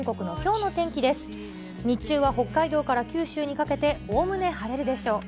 日中は北海道から九州にかけて、おおむね晴れるでしょう。